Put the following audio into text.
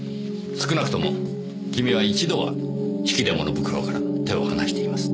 少なくともキミは一度は引き出物袋から手を離しています。